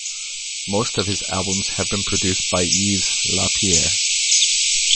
Most of his albums have been produced by Yves Lapierre.